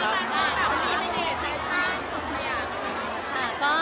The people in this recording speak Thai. วันนี้เป็นแฟชั่นของสัญญาณ